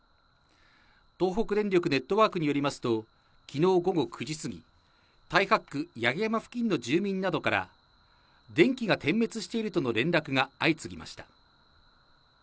東北電力ネットワークによりますと、昨日午後９時過ぎ、太白区八木山付近の住民などから電気が点滅しているとの連絡が相次ぎました。